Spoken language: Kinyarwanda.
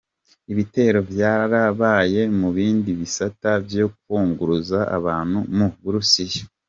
Ibitero vyarabaye mu bindi bisata vyo kwunguruza abantu mu Burusiya.